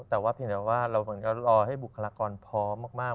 แต่ว่าเพียงแต่ว่าเราเหมือนกับรอให้บุคลากรพร้อมมาก